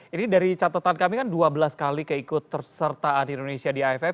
ini dari catatan kami kan dua belas kali keikut tersertaan indonesia di iff